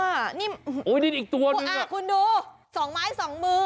โอ้โฮนี่อีกตัวนึงคุณดูสองไม้สองมือ